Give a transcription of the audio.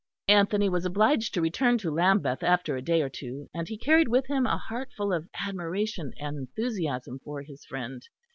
Anthony was obliged to return to Lambeth after a day or two, and he carried with him a heart full of admiration and enthusiasm for his friend.